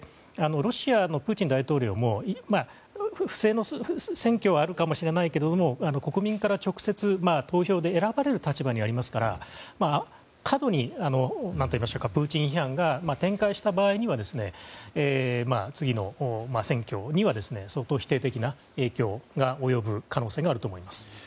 ロシアのプーチン大統領も不正の選挙はあるかもしれないけども国民から直接投票で選ばれる立場にありますから過度にプーチン批判が展開した場合には次の選挙には相当否定的な影響が及ぶ可能性があると思います。